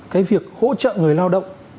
cái việc hỗ trợ người lao động